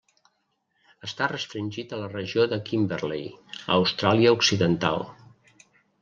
Està restringit a la regió de Kimberley a Austràlia Occidental.